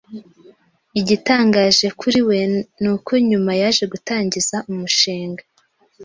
Igitangaje kuri we ni uko nyuma yaje gutangiza umushinga